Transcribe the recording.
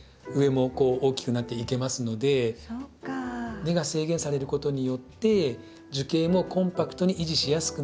根が制限されることによって樹形もコンパクトに維持しやすくなります。